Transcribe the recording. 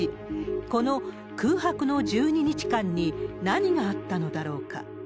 この空白の１２日間に何があったのだろうか。